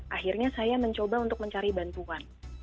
akhirnya saya mencoba untuk mencari bantuan